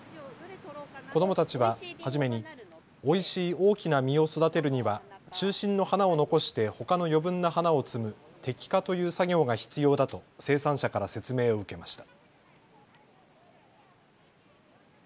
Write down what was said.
子どもたちは初めにおいしい大きな実を育てるには中心の花を残してほかの余分な花を摘む摘花という作業が必要だと生産者から説明を受けました。